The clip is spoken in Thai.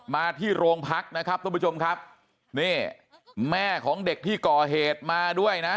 มาที่โรงพักนะครับทุกผู้ชมครับนี่แม่ของเด็กที่ก่อเหตุมาด้วยนะ